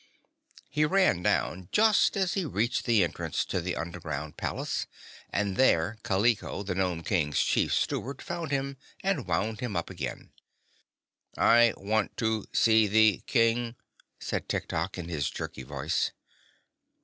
He ran down just as he reached the entrance to the underground palace, and there Kaliko, the Nome King's Chief Steward, found him and wound him up again. "I want to see the King," said Tiktok, in his jerky voice.